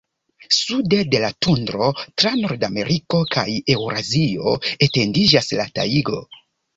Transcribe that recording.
Sude de la tundro, tra Nordameriko kaj Eŭrazio, etendiĝas la tajgo.